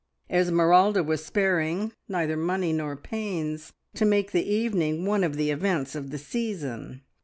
Esmeralda was sparing neither money nor pains to make the evening one of the events of the season.